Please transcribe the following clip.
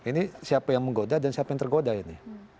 ini siapa yang menggoda dan siapa yang tergoda ini